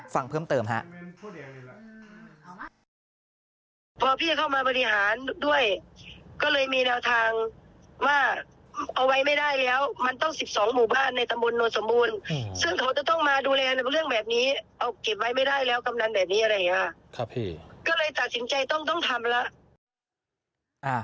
ฟังเพิ่มเติมฮะ